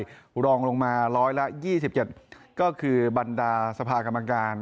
รองลงมาร้อยละ๒๗ก็คือบรรดาสภากรรมการ